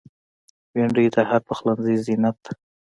بېنډۍ د هر پخلنځي زینت ده